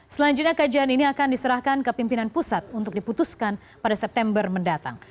selanjutnya kajian ini akan diserahkan ke pimpinan pusat untuk diputuskan pada september mendatang